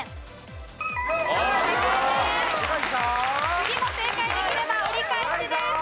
次も正解できれば折り返しです。